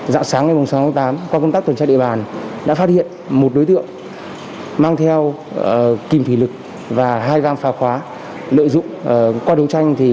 dạo sáng ngày hôm sáu tám qua công tác tuần tra địa bàn đã phát hiện một đối tượng mang theo kìm phỉ lực và hai gam phá khóa lợi dụng qua đấu tranh